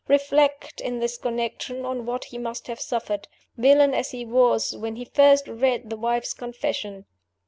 Reflect, in this connection, on what he must have suffered, villain as he was, when he first read the wife's confession.